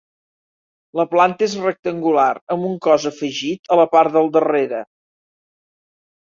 La planta és rectangular amb un cos afegit a la part del darrere.